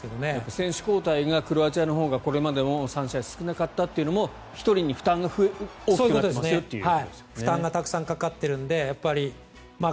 選手交代がクロアチアのほうがこれまでの３試合少なかったというのも１人に負担が大きくなっていますよっていうことですよね。